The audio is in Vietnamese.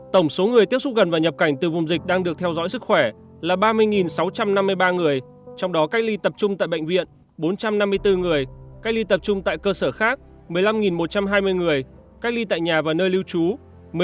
tổng số người tiếp xúc gần và nhập cảnh từ vùng dịch đang được theo dõi sức khỏe là ba mươi sáu trăm năm mươi ba người trong đó cách ly tập trung tại bệnh viện bốn trăm năm mươi bốn người cách ly tập trung tại cơ sở khác một mươi năm một trăm hai mươi người cách ly tại nhà và nơi lưu trú một mươi năm người